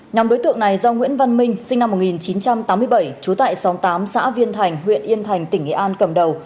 nhóm đối tượng này do nguyễn văn minh sinh năm một nghìn chín trăm tám mươi bảy trú tại xóm tám xã viên thành huyện yên thành tỉnh nghệ an cầm đầu